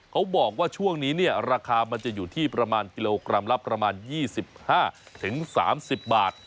เขาบอกว่าช่วงนี้เนี่ยราคามันจะอยู่ที่ประมาณกิโลกรัมละประมาณ๒๕๓๐บาท